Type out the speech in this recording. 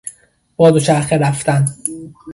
با دوچرخه رفتن